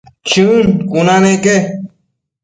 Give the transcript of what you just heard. Chën cuna neque